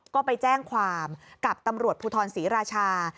ก็ไปแจ้งความกับตำรวจภูทรศรีราชา